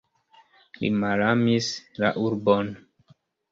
Li malamis la urbon.